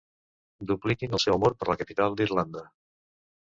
Dupliquin el seu amor per la capital d'Irlanda.